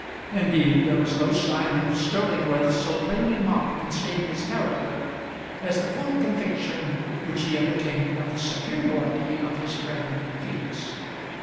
Indeed, there was no sign of sterling worth so plainly marked in Staveley's character as the full conviction which he entertained of the superiority of his friend Felix.